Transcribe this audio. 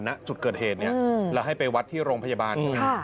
ณจุดเกิดเหตุเนี่ยแล้วให้ไปวัดที่โรงพยาบาลด้วย